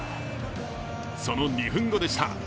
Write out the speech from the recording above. その２分後でした。